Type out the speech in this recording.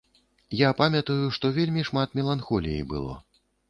Я памятаю, што вельмі шмат меланхоліі было.